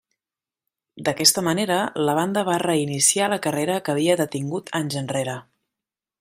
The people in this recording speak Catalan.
D'aquesta manera, la banda va reiniciar la carrera que havia detingut anys enrere.